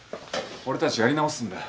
俺たちやり直すんだ。